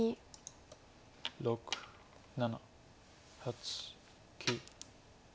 ６７８９。